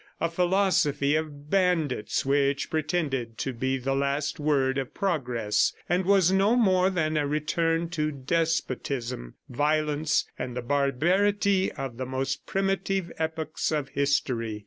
. a philosophy of bandits which pretended to be the last word of progress, and was no more than a return to despotism, violence, and the barbarity of the most primitive epochs of history.